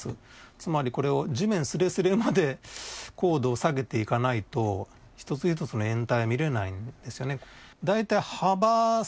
つまりこれを地面すれすれまで高度を下げていかないと一つ一つの掩体は見られないんですよね。